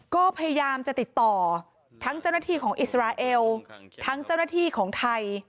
ก็พยายามจะติดต่อทั้งเจ้าหน้าที่ของอิสราเอลทั้งเจ้าหน้าที่ของไทย